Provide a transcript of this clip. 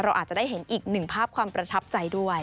อาจจะได้เห็นอีกหนึ่งภาพความประทับใจด้วย